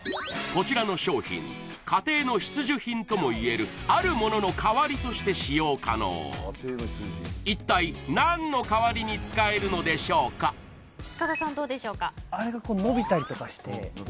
こちらの商品家庭の必需品ともいえるあるものの代わりとして使用可能一体何の代わりに使えるのでしょうか塚田さん